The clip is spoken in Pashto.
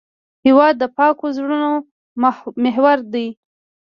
هېواد د پاکو زړونو محور دی.